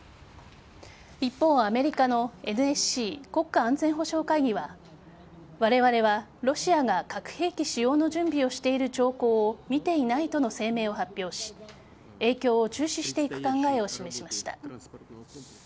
一方、アメリカのＮＳＣ＝国家安全保障会議はわれわれはロシアが核兵器使用の準備をしている兆候を見ていないとの声明を発表し影響を注視していく考えを示しました。